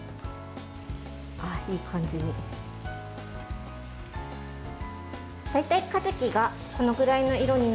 いい感じに。